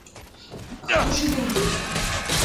Хто жыве ў доміку?